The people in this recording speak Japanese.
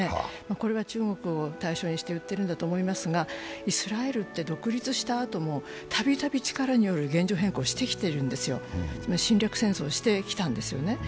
これは中国を対象にして言っているんだと思うんですが、イスラエルって独立したあともたびたび力による現状変更をしてきたんですよ侵略戦争をしてきたんですよね。